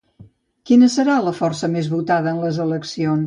Quina serà la força més votada en les eleccions?